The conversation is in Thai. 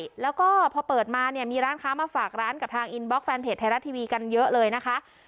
ใช่แล้วก็พอเปิดมาเนี่ยมีร้านค้ามาฝากร้านกับทางอินบล็อกแฟนเพจไทยรัฐทีวีกันเยอะเลยนะคะ